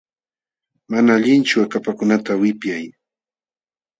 Mana allinchu akapakunata wipyay.